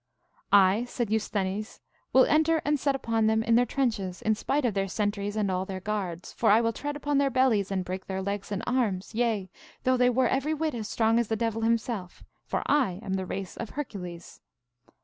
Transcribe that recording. I, said Eusthenes, will enter and set upon them in their trenches, in spite of their sentries and all their guards; for I will tread upon their bellies and break their legs and arms, yea, though they were every whit as strong as the devil himself, for I am of the race of Hercules.